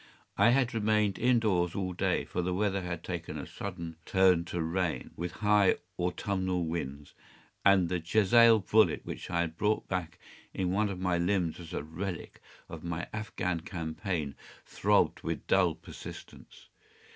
I had remained in doors all day, for the weather had taken a sudden turn to rain, with high autumnal winds, and the jezail bullet which I had brought back in one of my limbs as a relic of my Afghan campaign, throbbed with dull persistency.